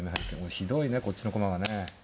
ひどいねこっちの駒がね。